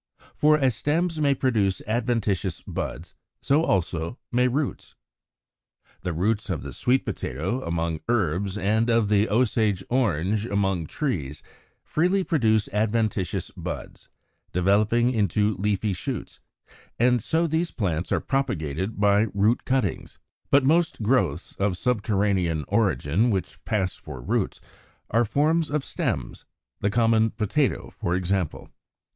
For as stems may produce adventitious buds, so also may roots. The roots of the Sweet Potato among herbs, and of the Osage Orange among trees freely produce adventitious buds, developing into leafy shoots; and so these plants are propagated by root cuttings. But most growths of subterranean origin which pass for roots are forms of stems, the common Potato for example.